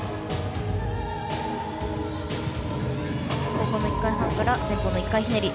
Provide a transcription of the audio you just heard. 後方の１回半から前方の１回ひねり。